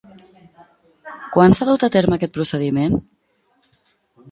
Quan s'ha dut a terme aquest procediment?